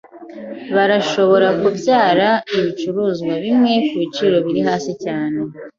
Barashobora kubyara ibicuruzwa bimwe kubiciro biri hasi cyane.